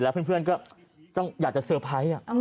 แล้วเพื่อนก็อยากจะเซอร์ไพรส์